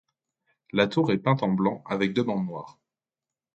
La tour est peinte en blanc avec deux bandes noires.